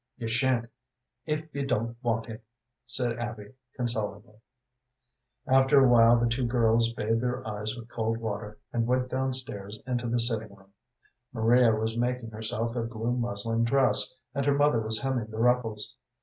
"You sha'n't if you don't want him," said Abby, consolingly. After a while the two girls bathed their eyes with cold water, and went down stairs into the sitting room. Maria was making herself a blue muslin dress, and her mother was hemming the ruffles.